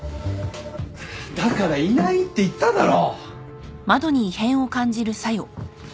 だからいないって言っただろ！